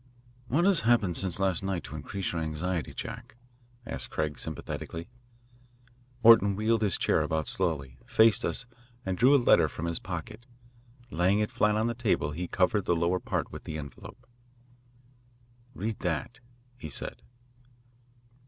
"What has happened since last night to increase your anxiety, Jack?" asked Craig sympathetically. Orton wheeled his chair about slowly, faced us, and drew a letter from his pocket. Laying it flat on the table he covered the lower part with the envelope. "Read that," he said.